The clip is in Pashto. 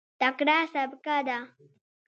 تکړه سبکه ده.